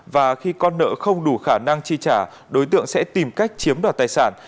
và khi con nợ không đủ khả năng chi trả đối tượng sẽ tìm cách chiếm đoạt tài sản